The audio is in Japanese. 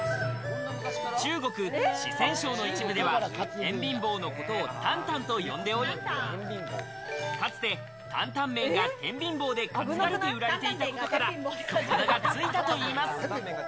中国・四川省の一部では、天秤棒のことを担担と呼んでおり、かつて担々麺が天秤棒で担がれて売られていたことから、その名がついたといわれています。